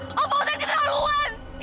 om fauzan keterlaluan